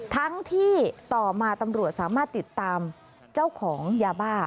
ทั้งที่ต่อมาตำรวจสามารถติดตามเจ้าของยาบ้า